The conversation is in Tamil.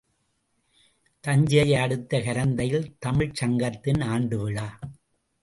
தஞ்சையை அடுத்த கரந்தையில் தமிழ்ச்சங்கத்தின் ஆண்டுவிழா.